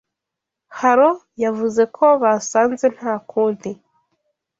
Haro yavuze ko basanze nta kundi